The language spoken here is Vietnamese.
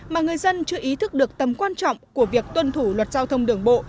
mà người dân chưa ý thức được tầm quan trọng của việc tuân thủ luật giao thông đường bộ